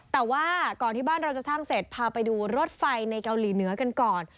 แต่ว่าก่อนที่บ้านเราจะสร้างเสร็จพาไปดูรถไฟในเกาหลีเหนือกันก่อน